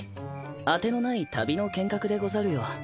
当てのない旅の剣客でござるよ。